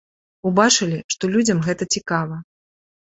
Убачылі, што людзям гэта цікава.